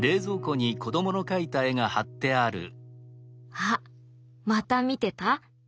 あまた見てた？